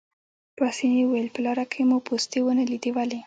پاسیني وویل: په لاره کې مو پوستې ونه لیدې، ولې؟